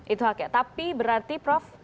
itu haknya tapi berarti prof